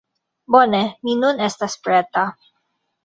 Bone, mi nun estas preta.